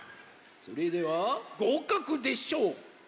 それではごうかくでしょうか？